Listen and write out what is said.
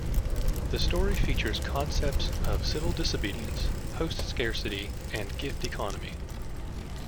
The story features concepts of civil disobedience, post scarcity and gift economy.